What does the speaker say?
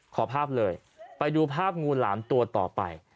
ขอภาพเลยไปดูภาพงูหลามตัวต่อไป